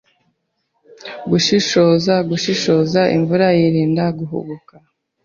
Gushishoza Gushishoza Imfura yirinda guhubuka